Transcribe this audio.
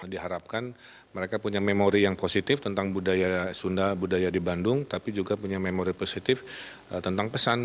diharapkan mereka punya memori yang positif tentang budaya sunda budaya di bandung tapi juga punya memori positif tentang pesan